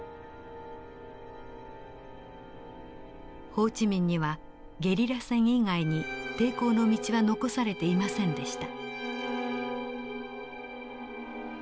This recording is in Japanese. ホー・チ・ミンにはゲリラ戦以外に抵抗の道は残されていませんでした。